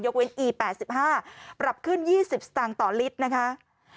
เว้นอี๘๕ปรับขึ้น๒๐สตางค์ต่อลิตรนะคะ